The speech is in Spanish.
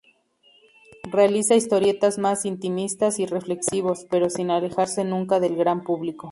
Realiza historietas más intimistas y reflexivos, pero sin alejarse nunca del gran público.